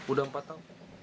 udah empat tahun